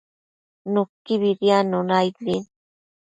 Nuquibi diadnuna aid din